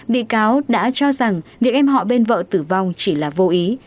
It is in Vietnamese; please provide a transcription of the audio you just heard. bị cáo đã cho rằng việc em họ bên vợ tử vong chỉ là vô ý